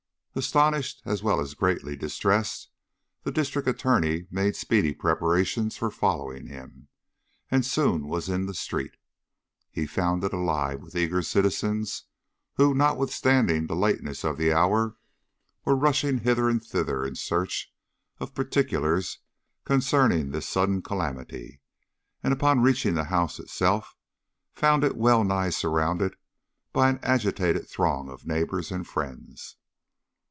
Astonished, as well as greatly distressed, the District Attorney made speedy preparations for following him, and soon was in the street. He found it all alive with eager citizens, who, notwithstanding the lateness of the hour, were rushing hither and thither in search of particulars concerning this sudden calamity; and upon reaching the house itself, found it wellnigh surrounded by an agitated throng of neighbors and friends.